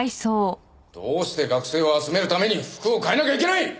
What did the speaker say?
どうして学生を集めるために服を変えなきゃいけない！